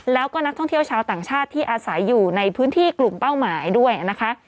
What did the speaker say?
แล้วก็นักท่องเที่ยวชาวต่างชาติที่อาศัยอยู่ในพื้นที่กลุ่มเป้าหมายด้วยนะคะ